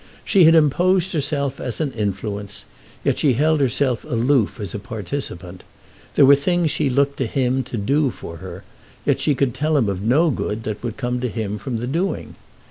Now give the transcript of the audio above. She had imposed herself as an influence, yet she held herself aloof as a participant; there were things she looked to him to do for her, yet she could tell him of no good that would come to him from the doing.